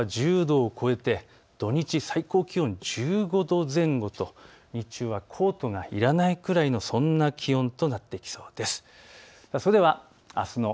金曜日以降は１０度を超えて土日最高気温１５度前後と日中はコートがいらないくらいのそんな気温となりそうです。